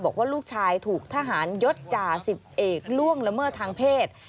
บอกว่าลูกชายถูกทหารยศจ่าสิบเอกล่วงละเมิดทางเพศ